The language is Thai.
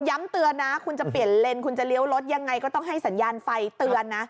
เตือนนะคุณจะเปลี่ยนเลนคุณจะเลี้ยวรถยังไงก็ต้องให้สัญญาณไฟเตือนนะ